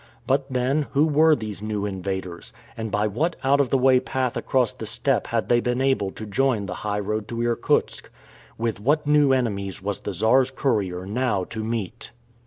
But then, who were these new invaders, and by what out of the way path across the steppe had they been able to join the highroad to Irkutsk? With what new enemies was the Czar's courier now to meet?